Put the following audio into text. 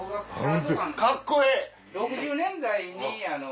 カッコええ！